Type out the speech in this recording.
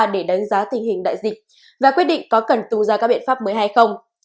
để đánh giá tình hình đại dịch và quyết định có cần tù ra các biện pháp mới hay không